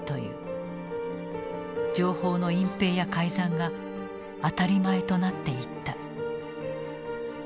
情報の隠蔽や改ざんが当たり前となっていった。